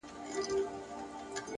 هره هڅه راتلونکی پیاوړی کوي!